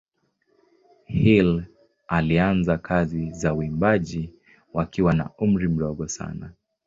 Hill alianza kazi za uimbaji wakiwa na umri mdogo sana.